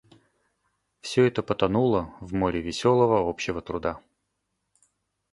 Всё это потонуло в море веселого общего труда.